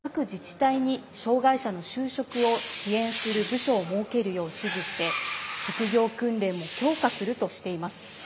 それでも政府は３年前に各自治体に障害者の就職を支援する部署を設けるよう指示して職業訓練も強化するとしています。